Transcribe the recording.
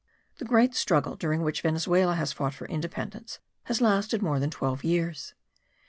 The great struggle during which Venezuela has fought for independence has lasted more than twelve years.